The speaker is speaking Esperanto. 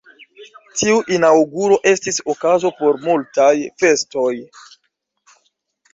Tiu inaŭguro estis okazo por multaj festoj.